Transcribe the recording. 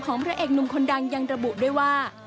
พระเอกหนุ่มคนดังยังระบุด้วยว่า